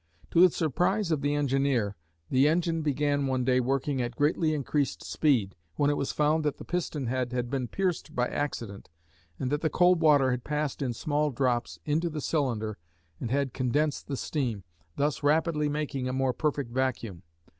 To the surprise of the engineer, the engine began one day working at greatly increased speed, when it was found that the piston head had been pierced by accident and that the cold water had passed in small drops into the cylinder and had condensed the steam, thus rapidly making a more perfect vacuum.